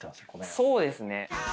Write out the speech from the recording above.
そうですね。